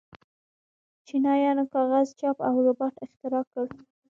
چینایانو کاغذ، چاپ او باروت اختراع کړل.